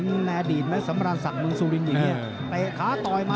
ในอดีตมันสำราชสรรคพิษกินอย่างนี้